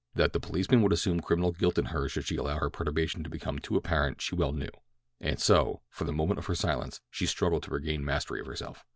That the policeman would assume criminal guilt in her should she allow her perturbation to become too apparent she well knew, and so, for the moment of her silence, she struggled to regain mastery of herself.